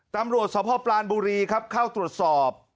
ตำรวจสภปรานบุรีครับเข้าตรวจสอบ